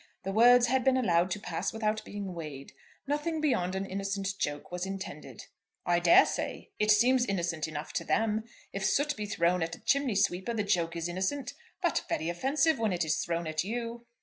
The words had been allowed to pass without being weighed. Nothing beyond an innocent joke was intended." "I dare say. It seems innocent enough to them. If soot be thrown at a chimney sweeper the joke is innocent, but very offensive when it is thrown at you."